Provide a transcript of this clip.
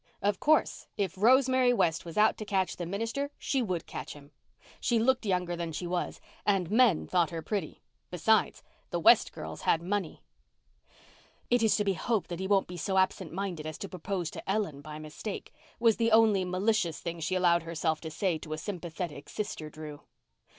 Of course, if Rosemary West was out to catch the minister she would catch him; she looked younger than she was and men thought her pretty; besides, the West girls had money! "It is to be hoped that he won't be so absent minded as to propose to Ellen by mistake," was the only malicious thing she allowed herself to say to a sympathetic sister Drew.